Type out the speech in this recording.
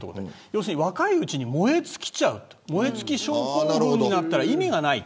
要するに若いうちに燃え尽きちゃう燃え尽き症候群になったら意味がない。